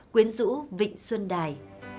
quyến rũ vịnh xuân đài